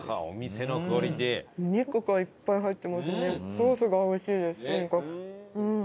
ソースが美味しいですとにかく。